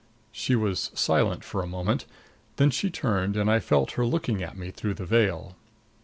She was silent for a moment. Then she turned and I felt her looking at me through the veil.